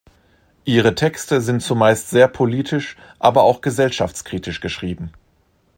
Ihre Texte sind zumeist sehr politisch aber auch gesellschaftskritisch geschrieben.